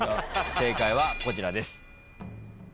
正解はこちらです。